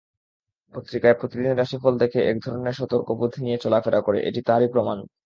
পত্রিকায় প্রতিদিন রাশিফল দেখে একধরনের সতর্কতাবোধ নিয়ে চলাফেরা করে, এটি তারই প্রমাণ।